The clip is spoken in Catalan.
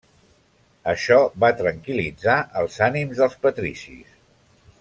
Això va tranquil·litzar els ànims dels patricis.